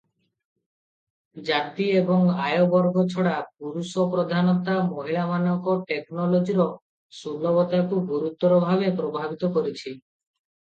ଜାତି ଏବଂ ଆୟ ବର୍ଗ ଛଡ଼ା ପୁରୁଷପ୍ରଧାନତା ମହିଳାମାନଙ୍କ ଟେକ୍ନୋଲୋଜିର ସୁଲଭତାକୁ ଗୁରୁତର ଭାବରେ ପ୍ରଭାବିତ କରିଛି ।